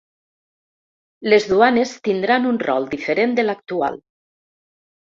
Les duanes tindran un rol diferent de l’actual.